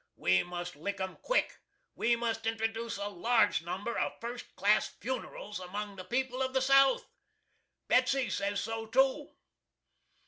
We must lick 'em quick. We must introduce a large number of first class funerals among the people of the South. Betsy says so too.